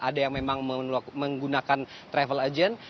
ada yang memang menggunakan travel agent